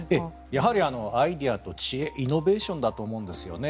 やはりアイデアと知恵イノベーションだと思うんですよね。